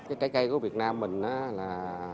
cái trái cây của việt nam mình là